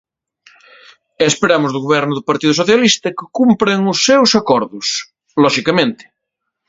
E esperamos do Goberno do Partido Socialista que cumpran os seus acordos, loxicamente.